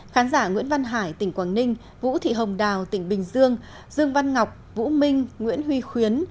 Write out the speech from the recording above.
khán giả nguyễn văn hải tỉnh quảng ninh vũ thị hồng đào tỉnh bình dương dương văn ngọc vũ minh nguyễn huy khuyến